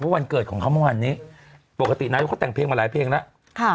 วันเกิดของเขาเมื่อวานนี้ปกตินายกเขาแต่งเพลงมาหลายเพลงแล้วค่ะ